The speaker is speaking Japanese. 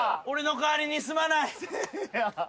俺の代わりにすまない。